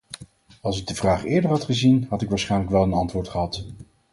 Als ik de vraag eerder had gezien, had ik waarschijnlijk wel een antwoord gehad.